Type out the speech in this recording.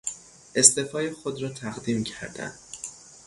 استعفای خود را تقدیم کردن